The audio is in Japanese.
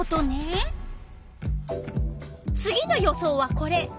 次の予想はこれ。